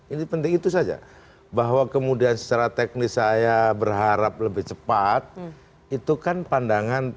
ini penting itu saja bahwa kemudian secara teknis saya berharap lebih cepat itu kan pandangan